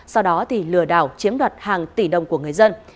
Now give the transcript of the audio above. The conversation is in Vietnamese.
sau đó lừa đảo chiếm đoạt hàng tỷ đồng của người dân